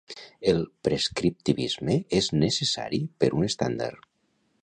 El prescriptivisme és necessari per un estàndard.